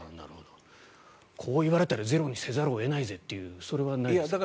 こう言われたらゼロにせざるを得ないぜっていうそれはないんですか？